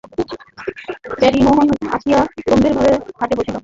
প্যারীমোহন আসিয়া গম্ভীরভাবে খাটে বসিল।